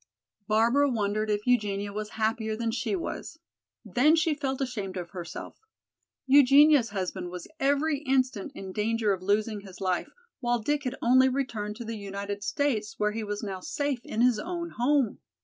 Barbara wondered if Eugenia was happier than she was. Then she felt ashamed of herself. Eugenia's husband was every instant in danger of losing his life, while Dick had only returned to the United States, where he was now safe in his own home.